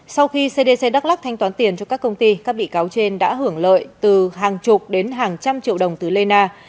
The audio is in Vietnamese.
sau khi cdc đắk lắc thanh toán tiền cho các công ty các bị cáo trên đã hưởng lợi từ hàng chục đến hàng trăm triệu đồng từ lê na